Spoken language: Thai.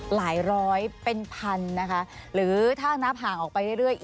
ร้อยเป็นพันนะคะหรือถ้านับห่างออกไปเรื่อย